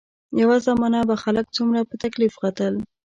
یوه زمانه به خلک څومره په تکلیف ختل.